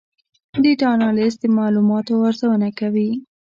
ډیټا انالیسز د معلوماتو ارزونه کوي.